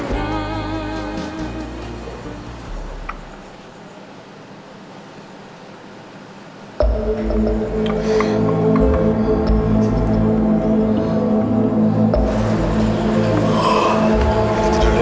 jadi ngerti aja